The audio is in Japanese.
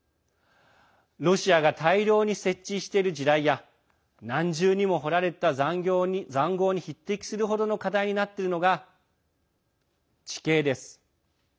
ロシアが大量に設置している地雷や何重にも掘られたざんごうに匹敵する程の課題になっているのが地形です。